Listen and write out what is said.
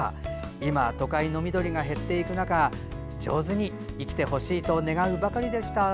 今、都会の緑が減っていく中上手に生きてほしいと願うばかりでした。